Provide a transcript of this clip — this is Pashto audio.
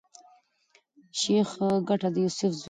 شېخ ګټه د يوسف زوی دﺉ.